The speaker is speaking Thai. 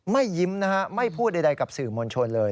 ไม่ยิ้มนะฮะไม่พูดใดกับสื่อมวลชนเลย